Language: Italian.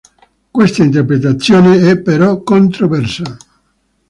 Questa interpretazione è però controversa.